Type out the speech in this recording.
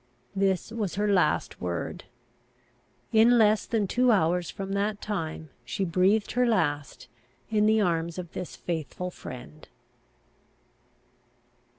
This was her last word; in less than two hours from that time she breathed her last in the arms of this faithful friend.